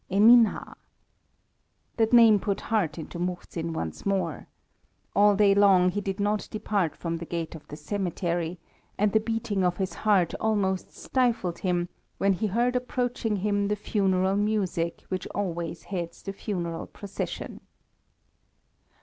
Eminha! That name put heart into Muhzin once more. All day long he did not depart from the gate of the cemetery, and the beating of his heart almost stifled him when he heard approaching him the funeral music which always heads the funeral procession.